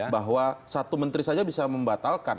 bahwa satu menteri saja bisa membatalkan